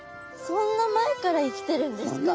そんな前から生きてるんですか？